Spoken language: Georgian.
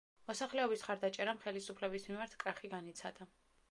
მოსახლეობის მხარდაჭერამ ხელისუფლების მიმართ კრახი განიცადა.